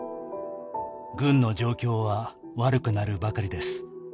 「軍の状況は悪くなるばかりです」